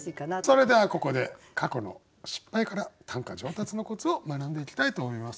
それではここで過去の失敗から短歌上達のコツを学んでいきたいと思います。